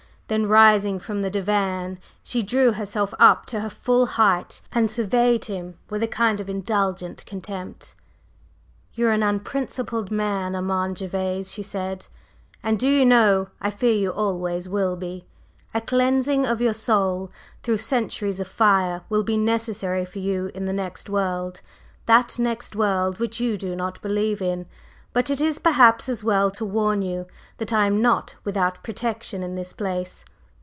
Then, rising from the divan, she drew herself up to her full height and surveyed him with a kind of indulgent contempt. "You are an unprincipled man, Armand Gervase," she said; "and do you know I fear you always will be! A cleansing of your soul through centuries of fire will be necessary for you in the next world, that next world which you do not believe in. But it is perhaps as well to warn you that I am not without protection in this place.